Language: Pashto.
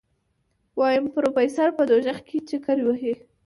ويم پروفيسر په دوزخ کې چکرې وهي.